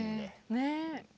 ねえ。